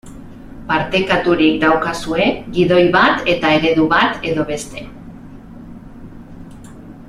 Partekaturik daukazue gidoi bat eta eredu bat edo beste.